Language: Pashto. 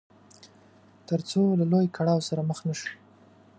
تر څو له لوی کړاو سره مخ نه شو.